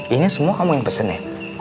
ini semua kamu yang pesen ya